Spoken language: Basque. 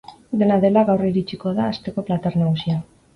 Dena dela, gaur iritsiko da asteko plater nagusia.